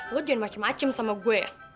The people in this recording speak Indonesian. lo jangan macem macem sama gue ya